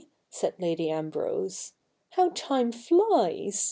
said Lady Ambrose. ' How time flies